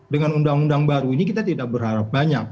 dengan undang undang baru ini kita tidak berharap banyak